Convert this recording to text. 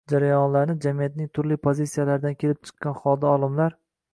jarayonlarni jamiyatning turli pozitsiyalardan kelib chiqqan holda olimlar